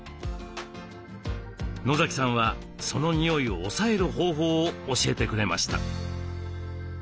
野さんはその臭いを抑える方法を教えてくれました。